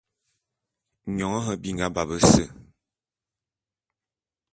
Nyone nhe binga ba bese.